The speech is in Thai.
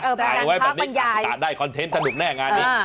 เออประกันภาพปัญญาตามได้คอนเทนต์สนุกแน่งานนี้